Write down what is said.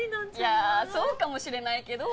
いやそうかもしれないけど。